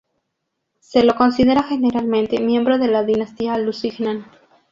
Se lo considera generalmente miembro de la dinastía Lusignan.